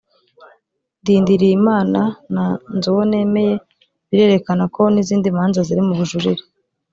Ndindiriyimana na Nzuwonemeye birerekana ko n’izindi manza ziri mu bujurire